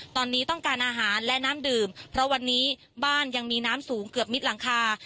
ตอนนี้ต้องการอาหารและน้ำดื่มเพราะวันนี้บ้านยังมีน้ำสูงเกือบมิดหลังคา